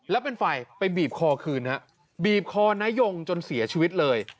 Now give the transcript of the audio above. แล้วเป็นไฟไปบีบคอคืนฮะบีบคอนายงจนเสียชีวิตเลย